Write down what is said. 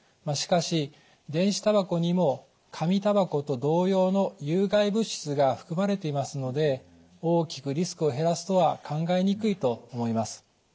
しかし電子タバコにも紙タバコと同様の有害物質が含まれていますので大きくリスクを減らすとは考えにくいと思います。